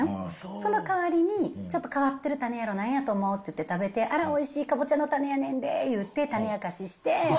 その代わりにちょっと変わってる種やろ、なんやと思う？って食べて、あれ、おいしい、かぼちゃの種やねんでって言って、種明かしして。